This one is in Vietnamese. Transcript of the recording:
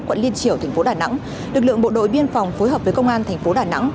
quận liên triều tp đà nẵng lực lượng bộ đội biên phòng phối hợp với công an tp đà nẵng